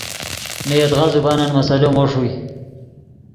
نے یدغا زبانن مسئلو مو ݰوئے